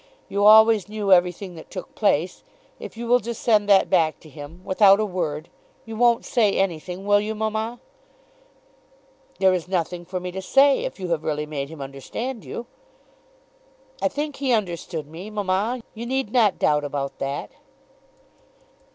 You always knew everything that took place. If you will just send that back to him, without a word. You won't say anything, will you, mamma?" "There is nothing for me to say if you have really made him understand you." "I think he understood me, mamma. You need not doubt about that."